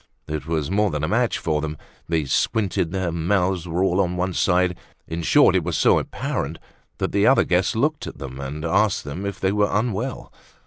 It was more than a match for them. They squinted—their mouths were all on one side. In short it was so apparent that the other guests looked at them, and asked them if they were unwell.